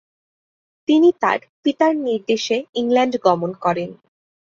তিনি তার পিতার নির্দেশে ইংল্যান্ড গমন করেন।